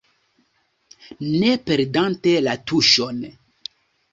Ne perdante la tuŝon.